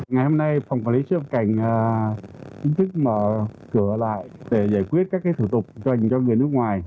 ngày hôm nay phòng quản lý xuất nhập cảnh thức mở cửa lại để giải quyết các thủ tục dành cho người nước ngoài